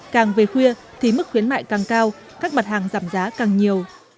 càng về khuya thì mức khuyến mại càng cao các mặt hàng giảm giá càng nhiều